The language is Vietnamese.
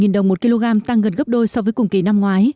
giá dứa một kg tăng gần gấp đôi so với cùng kỳ năm ngoái